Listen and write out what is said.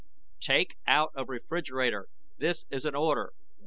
TAKE OUT OF REFRIGERATOR! THIS AN ORDER!